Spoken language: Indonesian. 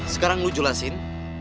sekarang lu jelasin